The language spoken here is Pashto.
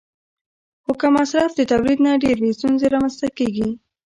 خو که مصرف د تولید نه ډېر وي، ستونزې رامنځته کېږي.